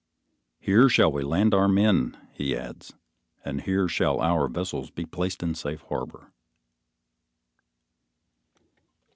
"Here shall we land all our men," he adds, "and here shall our vessels be placed in safe harbor."